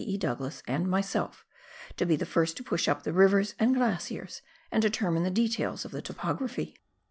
E. Douglas and myself to be the first to push up the rivers and glaciers and determine the details of the topography.